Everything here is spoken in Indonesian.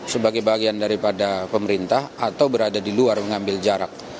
sebagai bagian daripada pemerintah atau berada di luar mengambil jarak